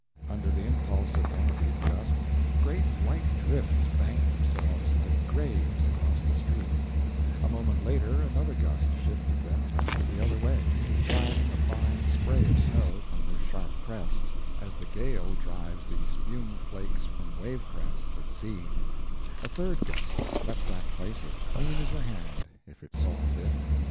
Under the impulse of one of these gusts, great white drifts banked themselves like graves across the streets; a moment later another gust shifted them around the other way, driving a fine spray of snow from their sharp crests, as the gale drives the spume flakes from wave crests at sea; a third gust swept that place as clean as your hand, if it saw fit.